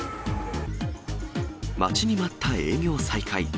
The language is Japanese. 待ちに待った営業再開。